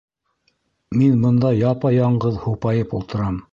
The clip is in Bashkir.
Мин бында япа-яңғыҙ һупайып ултырам.